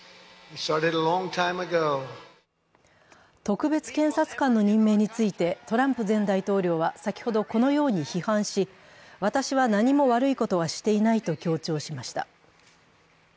特別検察官の任命についてトランプ前大統領は先ほど、このように批判し私は何も悪いことはしていないと強調しました。